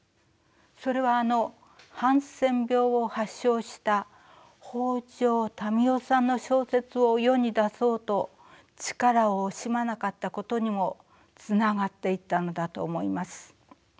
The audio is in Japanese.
それはあのハンセン病を発症した北条民雄さんの小説を世に出そうと力を惜しまなかったことにもつながっていったのだと思います。